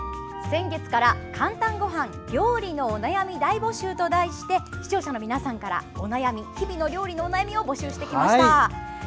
先月から「かんたんごはん」料理のお悩み大募集と題して視聴者の皆さんから日々の料理のお悩みを募集してきました。